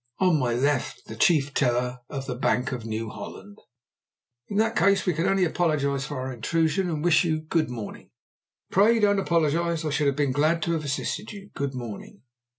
On my left, the Chief Teller of the Bank of New Holland." "In that case we can only apologize for our intrusion and wish you good morning." "Pray don't apologize. I should have been glad to have assisted you. Good morning."